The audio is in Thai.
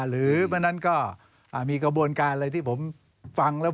หรือเมื่อนั้นก็มีกระบวนการอะไรที่ผมฟังแล้ว